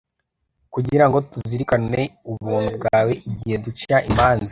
kugira ngo tuzirikane ubuntu bwawe igihe duca imanza